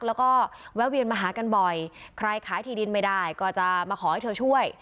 แล้วก็แวะเวียนมาหากันบ่อยใครขายที่ดินไม่ได้ก็จะมาขอให้เธอช่วย